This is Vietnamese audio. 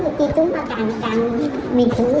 người phụ nữ này là một người phụ nữ